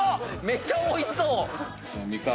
めちゃおいしそう！